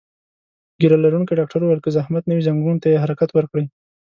ږیره لرونکي ډاکټر وویل: که زحمت نه وي، ځنګون ته یې حرکت ورکړئ.